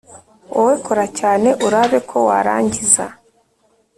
Wowe kora cyane urabe ko warangiza